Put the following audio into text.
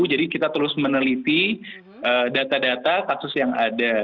jadi kita terus meneliti data data kasus yang ada